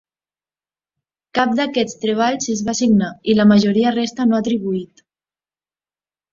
Cap d'aquests treballs es va signar i la majoria resta no atribuït.